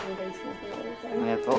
ありがとう。